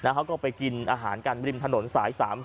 เขาก็ไปกินอาหารกันริมถนนสาย๓๔